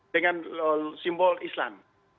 dengan simbol islam